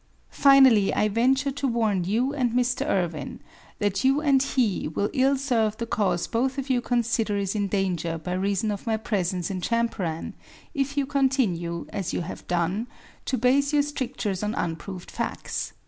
Finally I venture to warn you and Mr. Irwin that you and he will ill serve the cause both of you consider is in danger by reason of my presence in Champaran if you continue, as you have done, to base your strictures on unproved facts.